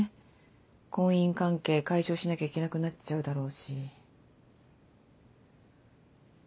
婚姻関係解消しなきゃいけなくなっちゃうだろうし。